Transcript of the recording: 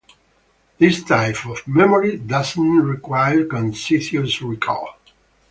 This type of memory does not require conscious recall.